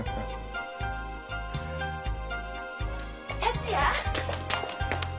達也！